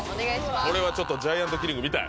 これはちょっとジャイアントキリング見たい！